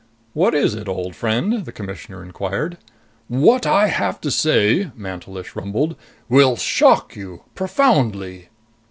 "What is it, old friend?" the Commissioner inquired. "What I have to say," Mantelish rumbled, "will shock you. Profoundly."